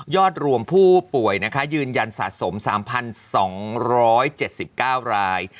ยอดรวมผู้ป่วยยืนยันสะสม๓๒๗๙ราย